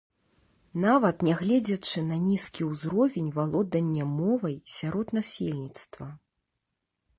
Нават нягледзячы на нізкі ўзровень валодання мовай сярод насельніцтва.